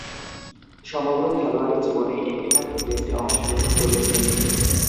সমগ্র খেলোয়াড়ী জীবনে একটিমাত্র টেস্টে অংশগ্রহণ করেছেন।